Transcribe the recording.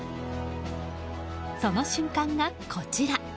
その瞬間がこちら。